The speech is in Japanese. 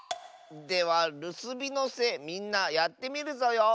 では「るすびのせ」みんなやってみるぞよ。